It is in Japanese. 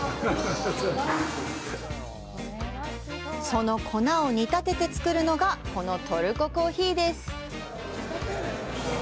その粉を煮立てて作るのがこのトルココーヒーです。